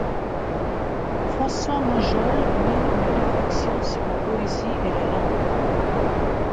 François Mangeol mène une réflexion sur la poésie et les langues.